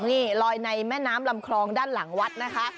นี่ลอยในแม่น้ำลำคลองด้านหลังวัดนะคะ